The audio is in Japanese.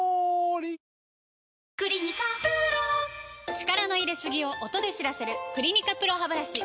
力の入れすぎを音で知らせる「クリニカＰＲＯハブラシ」